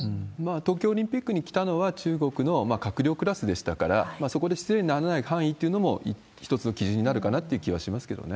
東京オリンピックに来たのは中国の閣僚クラスでしたから、そこで失礼にならない範囲というのも、一つの基準になるかなって気はしますけどね。